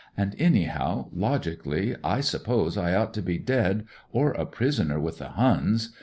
And, anyhow, logically, I suppose I ought to be dead or a prisoner with the Huns.